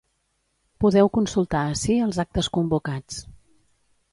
Podeu consultar ací els actes convocats.